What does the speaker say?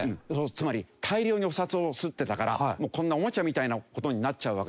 つまり大量にお札を刷ってたからこんなおもちゃみたいな事になっちゃうわけですよ。